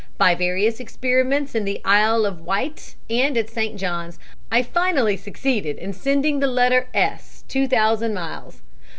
By various experiments in the Isle of Wight and at St. John's I finally succeeded in sending the letter S 2000 miles.